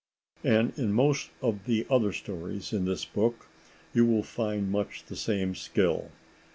And in most of the other stories in this book you will find much the same skill.